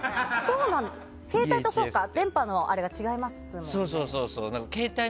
携帯と電波のあれが違いますもんね。